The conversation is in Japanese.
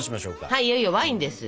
はいいよいよワインです！